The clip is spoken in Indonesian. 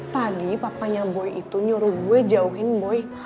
tadi papanya boy itu nyuruh gue jauhin boy